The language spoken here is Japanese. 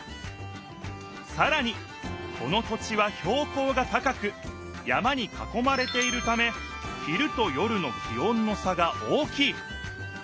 さらにこの土地はひょう高が高く山にかこまれているため昼と夜の気温の差が大きい。